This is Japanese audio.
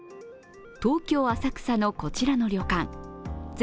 東京・浅草のこちらの旅館。